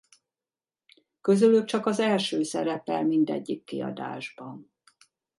Közülük csak az első szerepel mindegyik kiadásban.